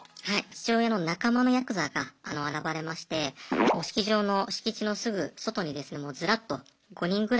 父親の仲間のヤクザが現れまして式場の敷地のすぐ外にですねもうズラッと５人ぐらいですね